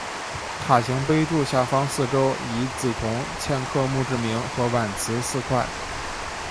塔形碑柱下方四周以紫铜嵌刻墓志铭和挽词四块。